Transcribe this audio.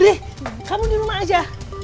deh kamu di rumah aja